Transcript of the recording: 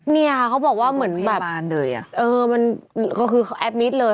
เนี่ยเขาบอกว่าเหมือนแบบเออมันก็คือแอบนิดเลย